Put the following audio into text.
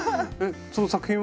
その作品は？